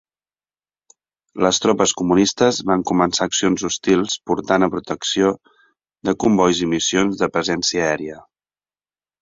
Les tropes comunistes van començar accions hostils portant a protecció de combois i missions de "presència aèria".